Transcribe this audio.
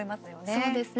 そうですね